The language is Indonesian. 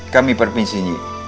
kami perpinsin nyi